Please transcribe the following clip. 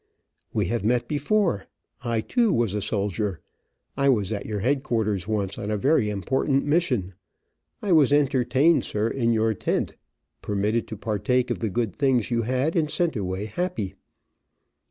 "We have met before. I, too, was a soldier. I was at your headquarters once, on a very important mission. I was entertained, sir, in your tent, permitted, to partake of the good, things you had, and sent away happy.